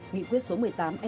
nghị quyết số một mươi tám nqtvk